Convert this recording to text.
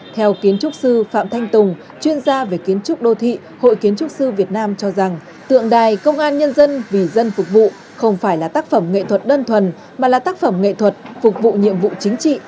theo kiến trúc sư phạm thanh tùng chuyên gia về kiến trúc đô thị hội kiến trúc sư việt nam cho rằng tượng đài công an nhân dân vì dân phục vụ không phải là tác phẩm nghệ thuật đơn thuần mà là tác phẩm nghệ thuật phục vụ nhiệm vụ chính trị